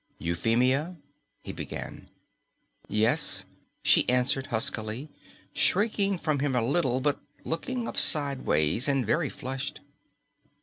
"Euphemia " he began. "Yes?" she answered huskily, shrinking from him a little, but looking up sideways, and very flushed.